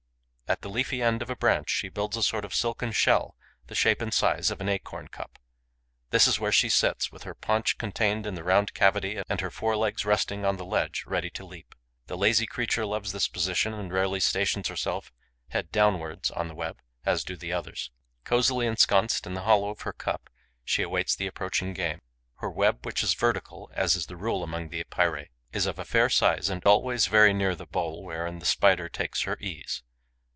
At the leafy end of a branch, she builds a sort of silken shell, the shape and size of an acorn cup. This is where she sits, with her paunch contained in the round cavity and her forelegs resting on the ledge, ready to leap. The lazy creature loves this position and rarely stations herself head downwards on the web, as do the others. Cosily ensconced in the hollow of her cup, she awaits the approaching game. Her web, which is vertical, as is the rule among the Epeirae, is of a fair size and always very near the bowl wherein the Spider takes her ease.